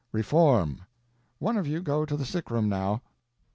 Reform! One of you go to the sick room now."